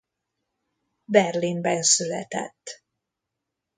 Berlinben született.